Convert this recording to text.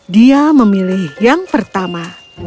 dia memilih yang pertama